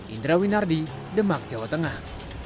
indra winardi demak jawa tengah